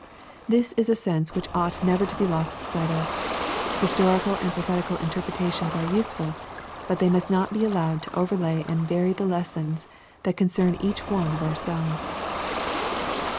This is a sense which ought never to be lost sight of. Historical and prophetical interpretations are useftil, but they must not be allowed to overlay and bury the lessons that concern each one of ourselves.